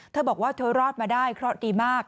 เธอบอกว่าเธอรอดมาได้เคราะห์ดีมาก